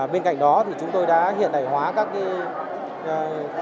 bên cạnh đó chúng tôi đã hiện đại hóa các doanh nghiệp